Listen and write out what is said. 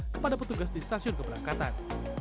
kepada petugas di stasiun keberangkatan